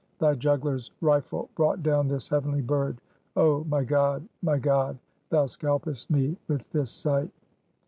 Thy juggler's rifle brought down this heavenly bird! Oh, my God, my God! Thou scalpest me with this sight!"